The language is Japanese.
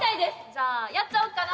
じゃあやっちゃおっかな！